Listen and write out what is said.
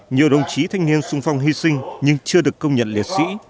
nhiều đồng chí thanh niên sung phong hy sinh nhưng chưa được công nhận liệt sĩ